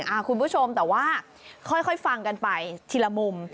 คุณผู้ชมแต่ว่าค่อยฟังกันไปทีละมุม